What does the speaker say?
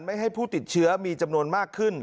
ให้ผู้ติดเชื้อมีจำนวนมากขึ้น